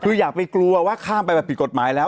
คืออยากไปกลัวว่าข้ามไปแบบผิดกฎหมายแล้ว